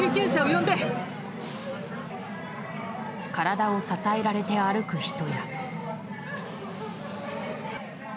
体を支えられて歩く人や。